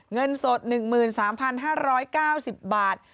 เงินสด๑๓๕๙๐บาท